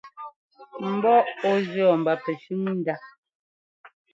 Mbɔ ɔ jʉ̈ mba pɛshʉ́n ndá.